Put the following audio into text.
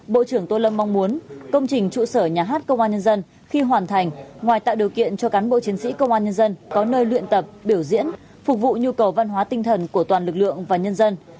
bộ trưởng tô lâm mong muốn công trình trụ sở nhà hát công an nhân dân khi hoàn thành ngoài tạo điều kiện cho cán bộ chiến sĩ công an nhân dân có nơi luyện tập biểu diễn phục vụ nhu cầu văn hóa tinh thần của toàn lực lượng và nhân dân